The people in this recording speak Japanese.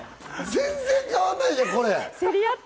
全然変わんないじゃん。